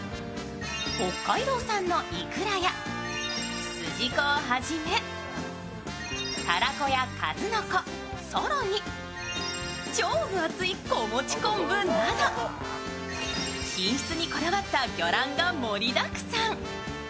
北海道産のいくらや筋子をはじめ、たらこや数の子、更に超分厚い子持ち昆布など、品質にこだわった魚卵が盛りだくさん。